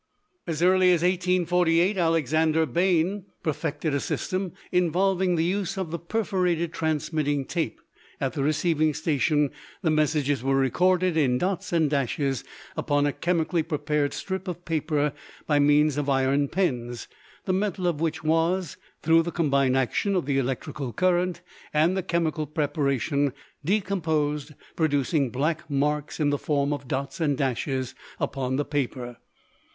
As early as 1848 Alexander Bain perfected a system involving the use of the perforated transmitting tape; at the receiving station the messages were recorded in dots and dashes upon a chemically prepared strip of paper by means of iron pens, the metal of which was, through the combined action of the electrical current and the chemical preparation, decomposed, producing black marks in the form of dots and dashes upon the paper.